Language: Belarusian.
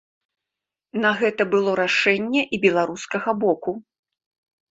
На гэта было рашэнне і беларускага боку.